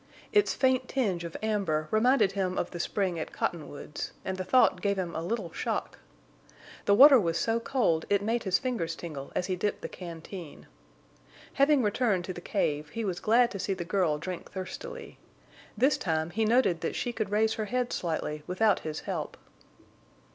Its faint tinge of amber reminded him of the spring at Cottonwoods, and the thought gave him a little shock. The water was so cold it made his fingers tingle as he dipped the canteen. Having returned to the cave, he was glad to see the girl drink thirstily. This time he noted that she could raise her head slightly without his help.